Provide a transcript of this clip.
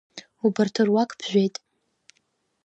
Убарҭ руак ԥжәеит.